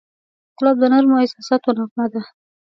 ګلاب د نرمو احساساتو نغمه ده.